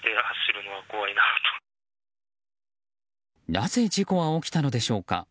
なぜ事故は起きたのでしょうか